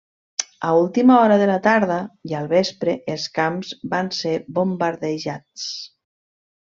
A última hora de la tarda i al vespre, els camps van ser bombardejats.